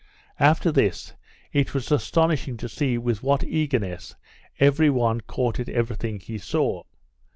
After this, it was astonishing to see with what eagerness every one caught at every thing he saw.